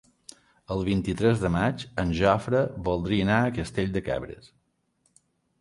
El vint-i-tres de maig en Jofre voldria anar a Castell de Cabres.